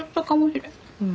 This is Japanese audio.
うん。